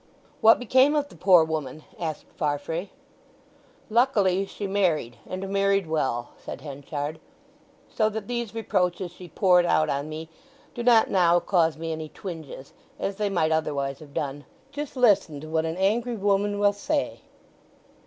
"What became of the poor woman?" asked Farfrae. "Luckily she married, and married well," said Henchard. "So that these reproaches she poured out on me do not now cause me any twinges, as they might otherwise have done.... Just listen to what an angry woman will say!"